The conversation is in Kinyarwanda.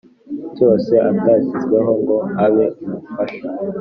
Cyose atashyizweho ngo abe umufasha